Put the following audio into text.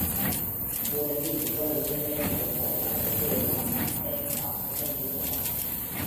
பூவுலசில் இவ்வளவு உயிர்களைப் படைத்தாரே—அவற்றையெல்லாம் நன்முறையில் காப்பாற்ற முடிகிறதா?